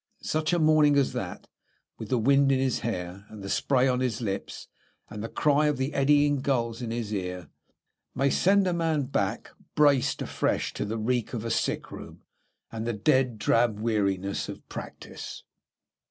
Such a morning as that, with the wind in his hair, and the spray on his lips, and the cry of the eddying gulls in his ear, may send a man back braced afresh to the reek of a sick room, and the dead, drab weariness of practice.